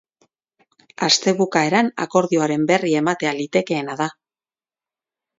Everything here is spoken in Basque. Aste bukaeran akordioaren berri ematea litekeena da.